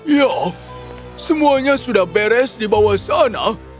ya semuanya sudah beres di bawah sana